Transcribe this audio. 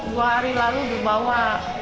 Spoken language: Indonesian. dua hari lalu dibawa